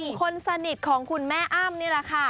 คนสนิทของคุณแม่อ้ำนี่แหละค่ะ